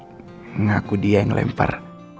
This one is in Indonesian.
mengaku dia yang lempar